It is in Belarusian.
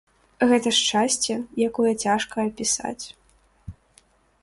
Гэта шчасце, якое цяжка апісаць.